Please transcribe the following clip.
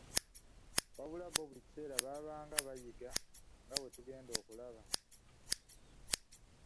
Wazira bo buli kiseera baabanga bayiga nga bwe tugenda okulaba.